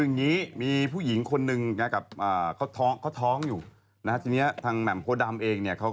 งี้มีผู้หญิงคนนึงแล้วทั้งอ่อเขาท้องอยู่นะที่นี้ครังแม่งโคดรามเองเนี่ยเขา